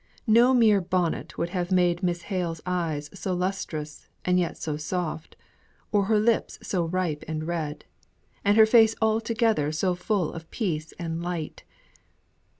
No mere bonnet would have made Miss Hale's eyes so lustrous and yet so soft, or her lips so ripe and red and her face altogether so full of peace and light.